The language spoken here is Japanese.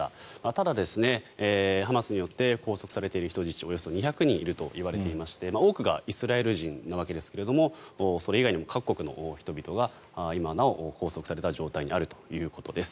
ただ、ハマスによって拘束されている人質はおよそ２００人いるといわれていまして多くがイスラエル人なわけですけれどもそれ以外にも各国の人々が今なお拘束された状態にあるということです。